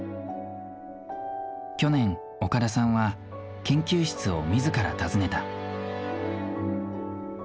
去年岡田さんは研究室を自ら訪ねた。